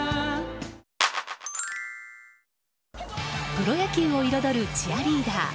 プロ野球を彩るチアリーダー。